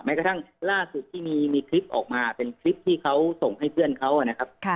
กระทั่งล่าสุดที่มีคลิปออกมาเป็นคลิปที่เขาส่งให้เพื่อนเขานะครับ